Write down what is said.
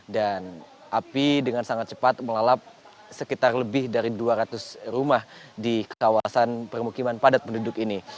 dan api dengan sangat cepat melalap sekitar lebih dari dua ratus rumah di kawasan permukiman padat penduduk ini